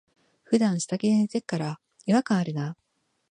ふだん下着で寝てっから、違和感あるな。